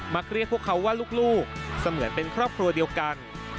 เรียกพวกเขาว่าลูกเสมือนเป็นครอบครัวเดียวกัน